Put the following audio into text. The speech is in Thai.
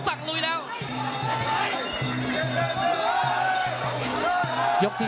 ยกที่๔ครับคุมงานบุหกาโดนพิธี